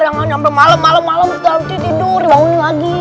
yang malam malam nanti tidur bangunin lagi